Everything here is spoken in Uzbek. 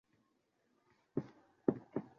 O'sha kuni do'konga borganda